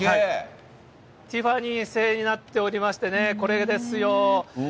ティファニー製になっておりましてね、これですよ。